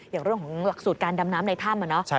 อย่างเรื่องของหลักสูตรการดำน้ำในถ้ำ